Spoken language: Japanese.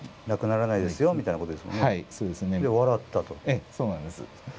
ええそうなんです。